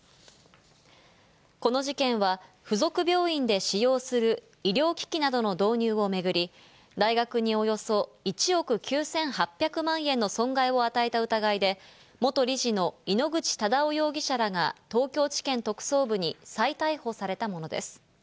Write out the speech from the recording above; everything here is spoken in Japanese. この事件は、付属病院で使用する医療機器などの導入を巡り、大学におよそ１億９８００万円の損害を与えた疑いで、元理事の井ノ口忠男容疑者らが東京地検特捜部に再逮捕されたものです。